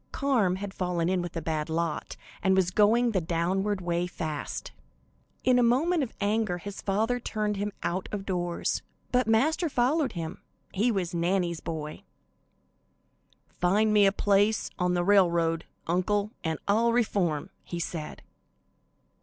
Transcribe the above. Carm had fallen in with a bad lot, and was going the downward way fast. In a moment of anger his father turned him out of doors, but Master followed him he was Nannie's boy. "Find me a place on the railroad, uncle, and I'll reform," he said.